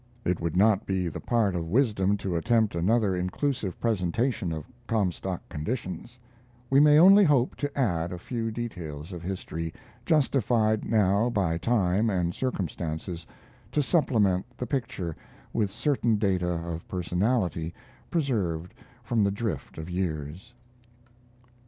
It would not be the part of wisdom to attempt another inclusive presentation of Comstock conditions. We may only hope to add a few details of history, justified now by time and circumstances, to supplement the picture with certain data of personality preserved from the drift of years.